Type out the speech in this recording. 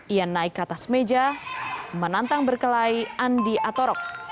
ia naik ke atas meja menantang berkelai andi atorok